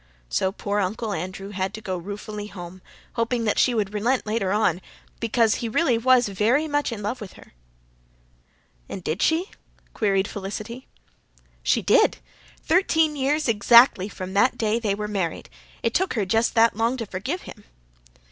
So poor Uncle Andrew had to go ruefully home, hoping that she would relent later on, because he was really very much in love with her." "And did she?" queried Felicity. "She did. Thirteen years exactly from that day they were married. It took her just that long to forgive him."